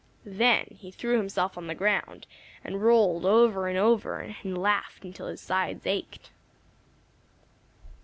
Then he threw himself on the ground and rolled over and over and laughed until his sides ached.